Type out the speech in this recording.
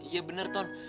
iya bener ton